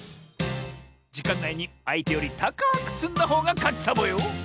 じかんないにあいてよりたかくつんだほうがかちサボよ！